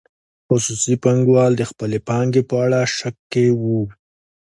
خصوصي پانګوال د خپلې پانګې په اړه شک کې وو.